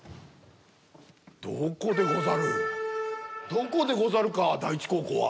どこでござるか第一高校は。